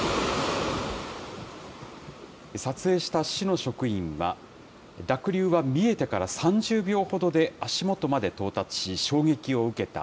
撮影した市の職員は、濁流は見えてから３０秒ほどで足元まで到達し、衝撃を受けた。